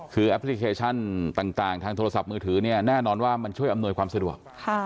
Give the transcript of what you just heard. คือแอปพลิเคชันต่างทางโทรศัพท์มือถือเนี่ยแน่นอนว่ามันช่วยอำนวยความสะดวก